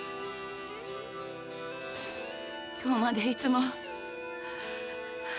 今日までいつも。